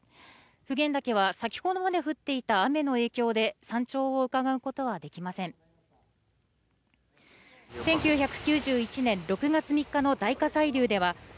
普賢岳は先ほどまで降っていた雨の影響で山頂をうかがうことはできません。